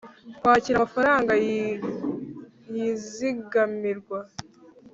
kwakira amafaranga yizigamirwa